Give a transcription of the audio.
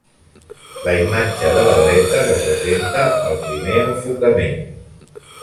La imatge de la dreta representa el primer enfocament.